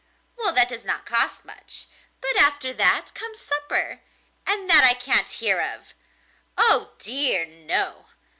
Well, that does not cost much; but after that comes supper, and that I can't hear of. Oh dear no!